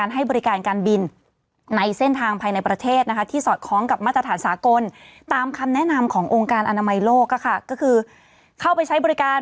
ตาบอดรักษาไม่ได้เลยใช่ไหม